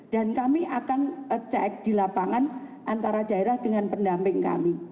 dan kami akan cek di lapangan antara daerah dengan pendamping kami